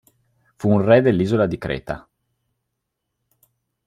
Fu un re dell'isola di Creta.